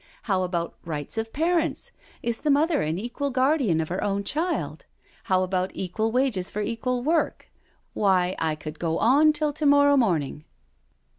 How about rights of parents? Is the mother an equal guardian of her own child? How about equal wages for equal work? ... Why, I could go on till to morrow morning.'